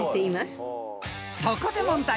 ［そこで問題］